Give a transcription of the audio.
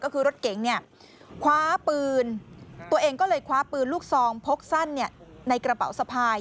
ก็คือรถเก๋งเนี่ยคว้าปืนตัวเองก็เลยคว้าปืนลูกซองพกสั้นในกระเป๋าสะพาย